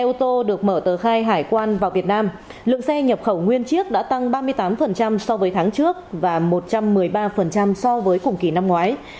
lượng xe nhập khẩu nguyên chiếc đã tăng ba mươi tám so với tháng trước và một trăm một mươi ba so với cùng kỳ năm ngoái